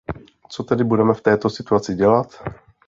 Co tedy budeme v této situaci dělat?